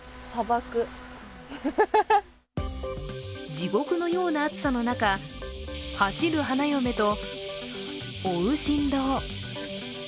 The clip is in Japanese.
地獄のような暑さの中、走る花嫁と追う新郎。